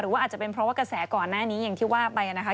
ว่าอาจจะเป็นเพราะว่ากระแสก่อนหน้านี้อย่างที่ว่าไปนะคะ